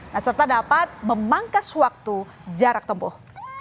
nah serta dapat memangkas waktu jarak tempuh